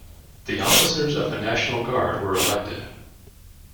The officers of the National Guard were elected.